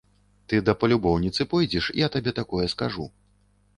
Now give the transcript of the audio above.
Ты да палюбоўніцы пойдзеш, я табе такое скажу.